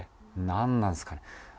なんなんですかね。